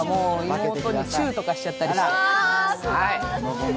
妹にチューとかしちゃったりして。